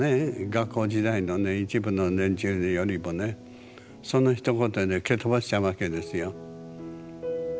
学校時代のね一部の連中よりもねそのひと言で蹴飛ばしちゃうわけですよ。